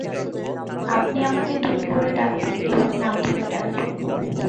আপনি আমাকে তুমি করে ডাকবেন, এবং নাম ধরে ডাকবেন।